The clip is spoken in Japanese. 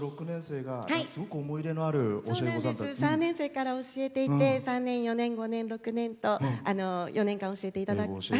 ３年生から教えていて３年、４年、５年、６年と４年間、教えていて。